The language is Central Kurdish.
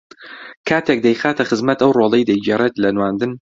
کاتێک دەیخاتە خزمەت ئەو ڕۆڵەی دەیگێڕێت لە نواندن